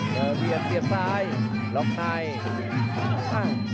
เตอร์เบียดเตียบซ้ายล็อคไนด์